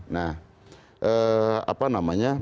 nah apa namanya